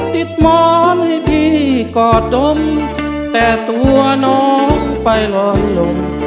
หมอนให้พี่กอดดมแต่ตัวน้องไปลอยลม